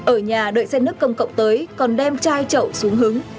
ở nhà đợi xe nước công cộng tới còn đem chai chậu xuống hướng